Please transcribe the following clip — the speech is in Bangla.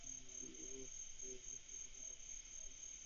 সেটা যে কি নিয়ে সে কথা তোমরা কেউই আমাকে কিছু লেখনি।